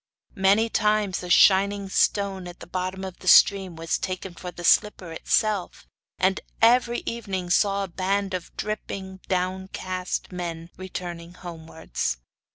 Many times a shining stone at the bottom of the stream was taken for the slipper itself, and every evening saw a band of dripping downcast men returning homewards.